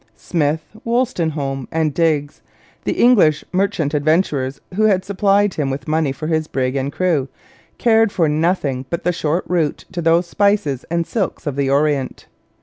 Smith, Wolstenholme, and Digges, the English merchant adventurers who had supplied him with money for his brig and crew, cared for nothing but the short route to those spices and silks of the orient.